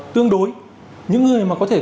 tương đối những người mà có thể